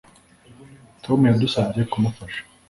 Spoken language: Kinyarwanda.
Tom yadusabye kumufasha